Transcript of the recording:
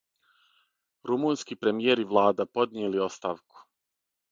Румунски премијер и влада поднијели оставку